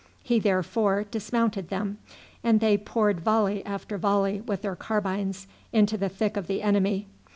He therefore dismounted them, and they poured volley after volley with their carbines into the thick of the enemy.